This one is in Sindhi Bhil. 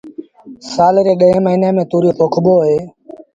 سآل ري ڏهين موهيݩي ميݩ تُوريو پوکبو اهي